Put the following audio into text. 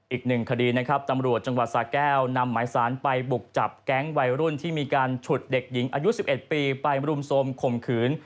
อีกหนึ่งคดีนะครับตำรวจจังหวัดสาแก้วนำหมายสารไปบุกจับแก๊งวัยรุ่นที่มีการฉุดเด็กหญิงอายุ๑๑ปีไปรุมโทรมข่มขืน